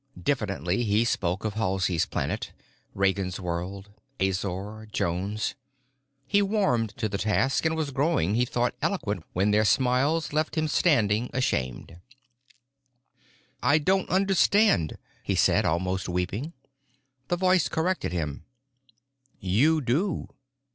Diffidently he spoke of Halsey's Planet, Ragansworld, Azor, Jones. He warmed to the task and was growing, he thought, eloquent when their smiles left him standing ashamed. "I don't understand," he said, almost weeping. The voice corrected him: "You do.